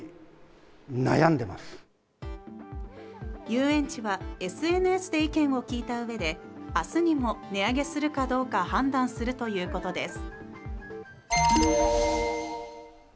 遊園地はＳＮＳで意見を聞いたうえで明日にも値上げするかどうか判断するということです。